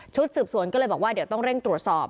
สืบสวนก็เลยบอกว่าเดี๋ยวต้องเร่งตรวจสอบ